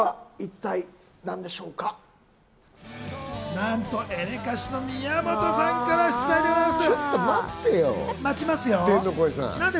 何とエレカシの宮本さんから出題でございます。